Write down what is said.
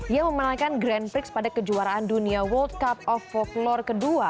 yang memenangkan grand prix pada kejuaraan dunia world cup of folklore ke dua